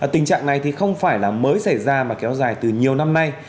tình trạng này thì không phải là mới xảy ra mà kéo dài từ nhiều năm nay